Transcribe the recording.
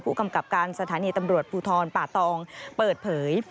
กำกับการสถานีตำรวจภูทรป่าตองเปิดเผย